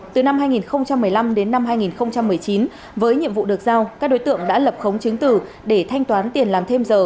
từ năm hai nghìn một mươi năm đến năm hai nghìn một mươi chín với nhiệm vụ được giao các đối tượng đã lập khống chứng tử để thanh toán tiền làm thêm giờ